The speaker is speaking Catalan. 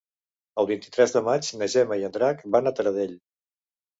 El vint-i-tres de maig na Gemma i en Drac van a Taradell.